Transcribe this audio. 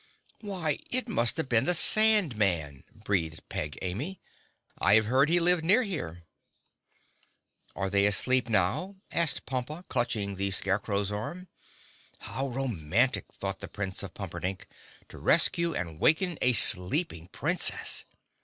"Why, it must have been the Sand Man," breathed Peg Amy. "I have heard he lived near here." "Are they asleep now?" asked Pompa, clutching the Scarecrow's arm. How romantic—thought the Prince of Pumperdink—to rescue and waken a sleeping Princess!